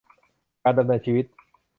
การดำเนินชีวิต